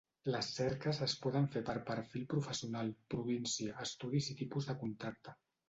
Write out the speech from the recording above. Les cerques es poden fer per perfil professional, província, estudis i tipus de contracte.